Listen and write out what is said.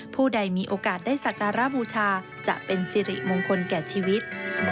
ผู้ใดมีโอกาสได้สักการะบูชาจะเป็นสิริมงคลแก่ชีวิต